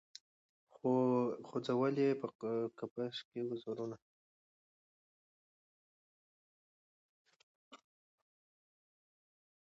خو ځول یې په قفس کي وزرونه